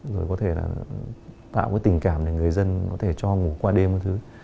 rồi có thể là tạo cái tình cảm để người dân có thể cho ngủ qua đêm các thứ